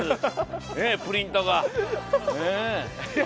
プリントが。